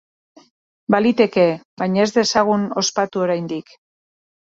Baliteke, baina ez dezagun ospatu oraindik.